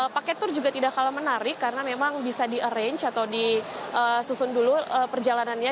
paket tour juga tidak kalah menarik karena memang bisa di arrange atau disusun dulu perjalanannya